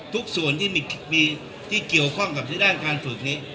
ทุกส่วนที่มีที่เกี่ยวข้องกับด้านการฝึกนี้